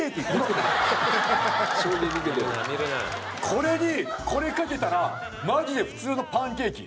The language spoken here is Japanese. これにこれかけたらマジで普通のパンケーキ。